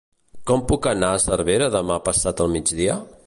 Com puc anar a Cervera demà passat al migdia?